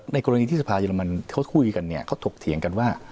ในกรณีที่สภาเยอรมันเค้าคุยกันเค้าถกเถียงกันว่า